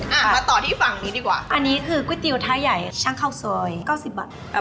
อ่ามาต่อที่ฝั่งนี้ดีกว่าอันนี้คือก๋วยเตี๋ยวท้ายใหญ่ช่างข้าวซอยเก้าสิบบาทอ่า